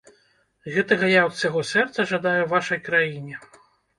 Гэтага я ад усяго сэрца жадаю вашай краіне.